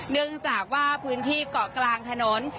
เนื่องจากว่าพื้นที่เกาะกลางถนน